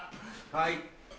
はい。